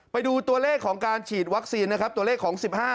ไปดูตัวเลขของการฉีดวัคซีนนะครับตัวเลขของ๑๕